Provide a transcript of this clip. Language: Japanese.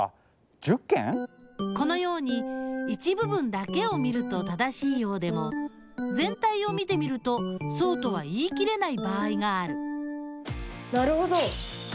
このように一部分だけを見ると正しいようでもぜん体を見てみるとそうとは言い切れない場合があるなるほど！